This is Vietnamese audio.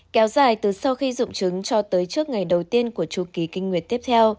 kéo dài từ sau khi dụng trứng cho tới trước ngày đầu tiên của chú ký kinh nguyệt tiếp theo